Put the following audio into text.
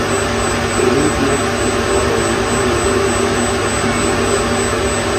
They live next to the other important group, the Kashubians.